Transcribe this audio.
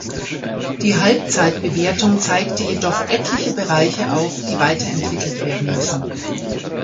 Die Halbzeitbewertung zeigte jedoch etliche Bereiche auf, die weiterentwickelt werden müssen.